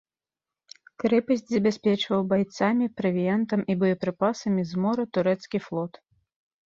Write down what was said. Крэпасць забяспечваў байцамі, правіянтам і боепрыпасамі з мора турэцкі флот.